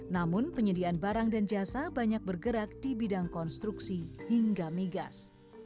namun penyediaan barang dan jasa banyak bergerak di bidang konstruksi hingga migas